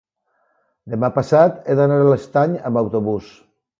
demà passat he d'anar a l'Estany amb autobús.